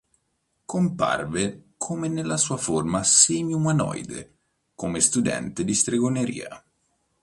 Comparve come nella sua forma semi-umanoide come studente di stregoneria.